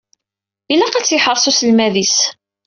Ilaq ad t-yeḥreṣ uselmad-is.